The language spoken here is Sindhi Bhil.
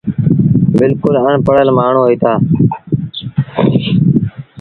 بلڪُل اَڻ پڙهل مآڻهوٚݩ هوئيٚتآ۔